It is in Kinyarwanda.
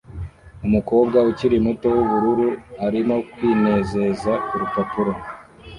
Umukobwa ukiri muto wubururu arimo kwinezeza kurupapuro